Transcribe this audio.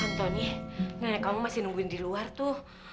antoni nenek kamu masih nungguin di luar tuh